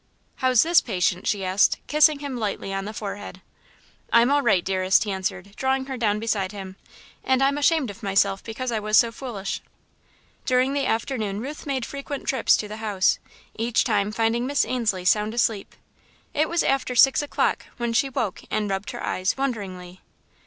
"How's this patient?" she asked, kissing him lightly on the forehead. "I'm all right, dearest," he answered, drawing her down beside him, "and I'm ashamed of myself because I was so foolish." During the afternoon Ruth made frequent trips to the house, each time finding Miss Ainslie sound asleep. It was after six o'clock when she woke and rubbed her eyes, wonderingly.